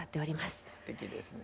すてきですね。